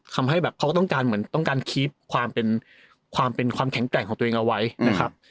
ทำให้แบบเขาก็ต้องการเหมือนต้องการคีฟความเป็นความเป็นความแข็งแกร่งของตัวเองเอาไว้นะครับ